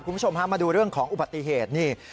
คุณผู้ชมฮะมาดูเรื่องของอุบัติเหตุนี่